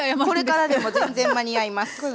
これからでも全然間に合います。